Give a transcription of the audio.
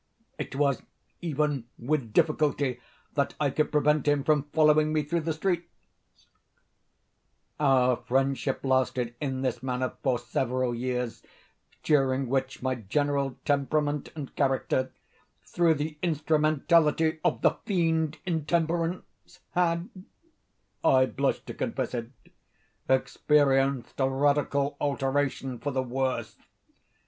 It was even with difficulty that I could prevent him from following me through the streets. Our friendship lasted, in this manner, for several years, during which my general temperament and character—through the instrumentality of the Fiend Intemperance—had (I blush to confess it) experienced a radical alteration for the worse.